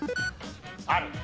ある。